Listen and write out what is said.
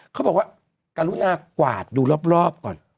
เขาบอกว่ากรุณากวาดดูรอบก่อน